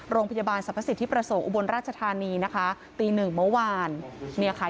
โรงพยาบาลศามพสิทธิ์ที่ประสงค์อุบันราชธารณีนะคะตรีหนึ่งเมื่อวาน